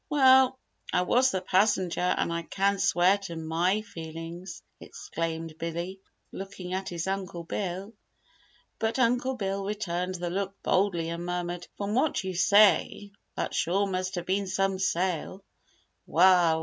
"Well, I was the passenger and I can swear to my feelings," exclaimed Billy, looking at his Uncle Bill. But Uncle Bill returned the look boldly and murmured: "From what you say, that sure must have been some sail!" "Wah!